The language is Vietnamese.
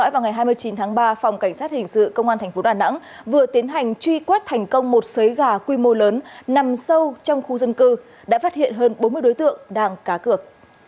vào ngày hai mươi chín tháng ba phòng cảnh sát hình sự công an tp đà nẵng vừa tiến hành truy quét thành công một xới gà quy mô lớn nằm sâu trong khu dân cư đã phát hiện hơn bốn mươi đối tượng đang cá cược